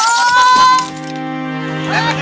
จริงจริง